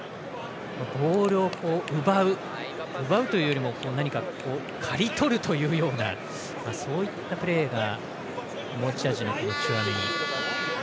ボールを奪うというよりも刈り取るというようなそういったプレーが持ち味のチュアメニ。